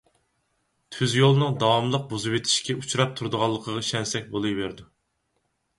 تۈز يولنىڭ داۋاملىق بۇزۇۋېتىشكە ئۇچراپ تۇرۇدىغانلىقىغا ئىشەنسەك بولىۋېرىدۇ.